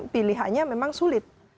pilihannya memang sulit